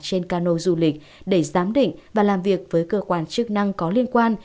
trên cano du lịch để giám định và làm việc với cơ quan chức năng có liên quan